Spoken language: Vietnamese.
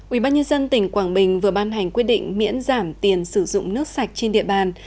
ubnd tỉnh quảng bình vừa ban hành quyết định miễn giảm tiền sử dụng nước sạch trên địa bàn